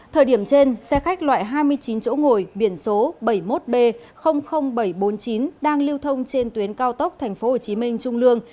thời điểm trên xe khách loại hai mươi chín chỗ ngồi biển số bảy mươi một b bảy trăm bốn mươi chín đang lưu thông trên tuyến cao tốc tp hcm trung lương